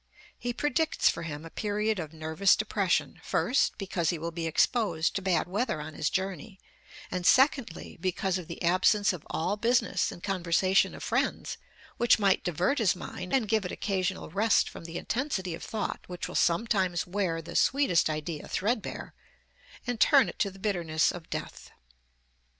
He predicts for him a period of nervous depression first, because he will be "exposed to bad weather on his journey, and, secondly, because of the absence of all business and conversation of friends which might divert his mind and give it occasional rest from the intensity of thought which will sometimes wear the sweetest idea threadbare, and turn it to the bitterness of death."